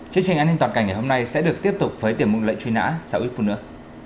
chương trình an ninh toàn cảnh ngày hôm nay sẽ được tiếp tục với tiểu mục lệnh truy nã sau ít phút nữa